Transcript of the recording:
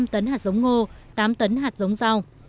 một trăm linh tấn hạt giống ngô tám tấn hạt giống rau